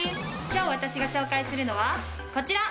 今日私が紹介するのはこちら！